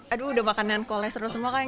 aduh udah makannya koles seru semua kan